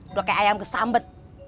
udah kayak ayam kesambet